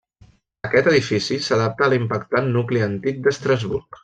Aquest edifici s'adapta a l'impactant nucli antic d'Estrasburg.